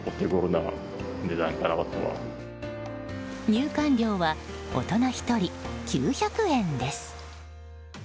入館料は大人１人９００円です。